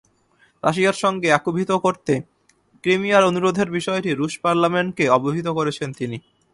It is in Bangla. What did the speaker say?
রাশিয়ার সঙ্গে একীভূত করতে ক্রিমিয়ার অনুরোধের বিষয়টি রুশ পার্লামেন্টকে অবহিত করেছেন তিনি।